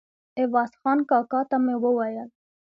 عوض خان کاکا ته مې وویل.